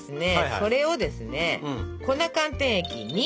それをですね粉寒天液に。